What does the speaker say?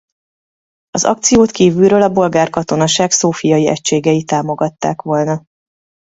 Az akciót kívülről a bolgár katonaság szófiai egységei támogatták volna.